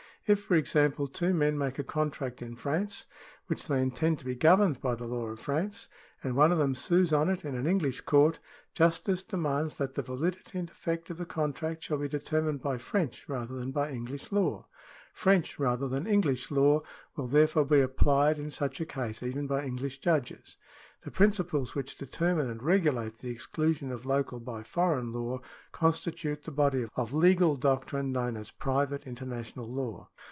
If, for example, two men make a contract in France, which they intend to be governed by the law of France, and one of them sues on it in an English court, justice demands that the validity and effect of the contract shall be deter mined by French, rather than by English law. French, rather than Enghsh law will therefore be applied in such a case even by English judges. The principles which deter mine and regulate this exclusion of local by foreign law constitute the body of legal doctrine known as private international law.